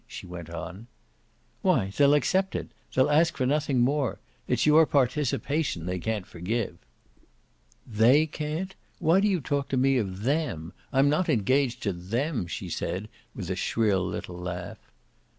she went on. "Why they'll accept it; they'll ask for nothing more. It's your participation they can't forgive." "THEY can't? Why do you talk to me of 'them'? I'm not engaged to 'them'!" she said with a shrill little laugh.